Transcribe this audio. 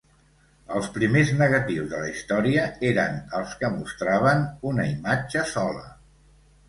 Els primers negatius de la història eren els que mostraven una imatge sola.